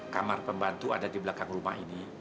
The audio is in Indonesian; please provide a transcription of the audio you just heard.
kamar pembantu ada di belakang rumah ini